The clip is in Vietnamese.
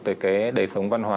tới cái đầy sống văn hóa